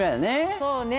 そうね。